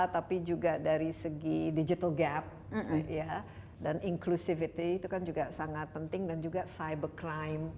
tapi juga dari segi digital gap dan inclusivity itu kan juga sangat penting dan juga cyber crime